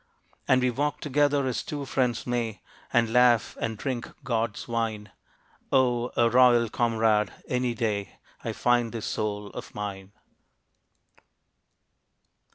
And we walk together as two friends may, And laugh, and drink God's wine. Oh, a royal comrade any day I find this Soul of mine.